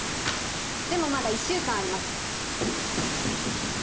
でもまだ１週間あります。